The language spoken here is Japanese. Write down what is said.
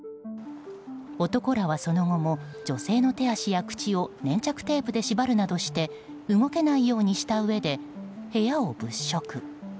男らはその後も女性の手足や口を粘着テープで縛るなどして動けないようにしたうえで部屋を物色。